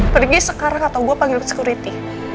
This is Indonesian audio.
pergi sekarang atau gue panggil security